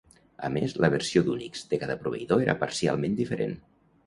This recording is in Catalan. A més, la versió d'Unix de cada proveïdor era parcialment diferent.